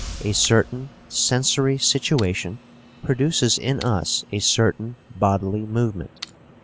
A certain sensory situation produces in us a certain bodily movement.